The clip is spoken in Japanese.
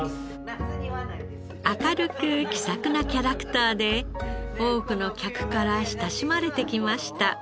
明るく気さくなキャラクターで多くの客から親しまれてきました。